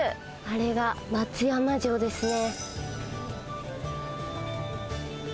あれが松山城ですね。